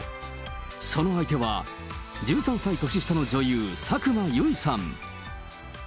その相手は、１３歳年下の女優、佐久間由衣さん。